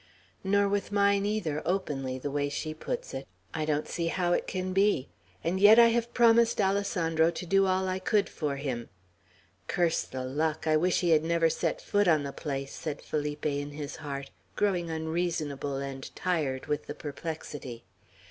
"Nor with mine either, openly, the way she puts it. I don't see how it can be; and yet I have promised Alessandro to do all I could for him. Curse the luck, I wish he had never set foot on the place!" said Felipe in his heart, growing unreasonable, and tired with the perplexity.